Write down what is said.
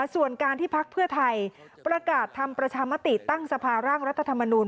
ส่วนการที่พักเพื่อไทยประกาศทำประชามติตั้งสภาร่างรัฐธรรมนูล